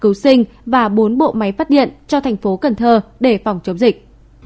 bộ tài chính xuất cấp bốn mươi bộ nhà bạt cấu sinh và bốn bộ máy phát điện cho thành phố cần thơ để phòng chống dịch